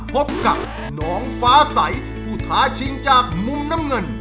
พบกับน้องฟ้าใสผู้ท้าชิงจากมุมน้ำเงิน